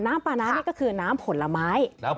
น้ำปลาร้านี่ก็คือน้ำผลไม้